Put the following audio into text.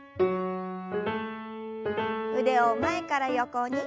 腕を前から横に。